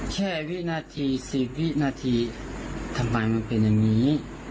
วินาที๑๐วินาทีทำไมมันเป็นอย่างนี้